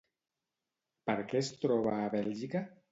Per què es troba a Bèlgica?